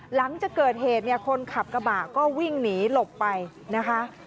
หลังจากเกิดเหตุเนี่ยคนขับกระบะก็วิ่งหนีหลบไปนะคะ